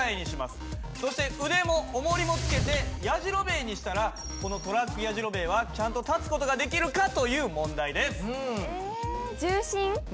そして腕もおもりも付けてやじろべえにしたらこのトラックやじろべえはちゃんと立つ事ができるかという問題です。